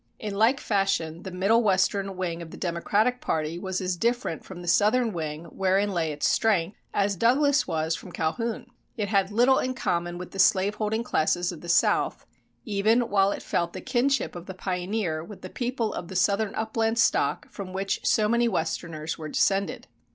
In like fashion, the Middle Western wing of the Democratic party was as different from the Southern wing wherein lay its strength, as Douglas was from Calhoun. It had little in common with the slaveholding classes of the South, even while it felt the kinship of the pioneer with the people of the Southern upland stock from which so many Westerners were descended.